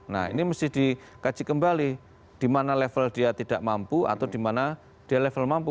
nah ini mesti dikaji kembali di mana level dia tidak mampu atau di mana dia level mampu